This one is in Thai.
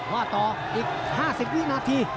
ว่าต่ออีก๕๐วินาที